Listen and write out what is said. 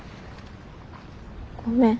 ごめん。